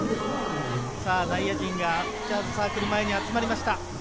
内野陣がサークル前に集まりました。